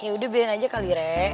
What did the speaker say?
yaudah berin aja kali re